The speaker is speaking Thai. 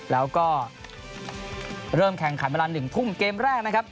แล้วก็เริ่มแข่งขันเวลา๑ทุ่มเกมแรกนะครับ